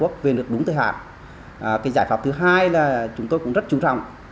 cái giải pháp thứ hai là chúng tôi cũng rất chú trọng